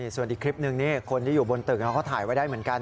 ส่วนอีกคลิปนึงนี่คนที่อยู่บนตึกเขาก็ถ่ายไว้ได้เหมือนกัน